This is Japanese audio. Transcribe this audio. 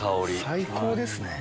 最高ですね。